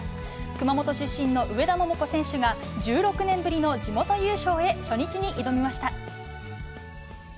熊本出身の上田桃子選手が、１６年ぶりの地元優勝へ、初日に挑みました。